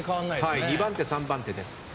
はい２番手３番手です。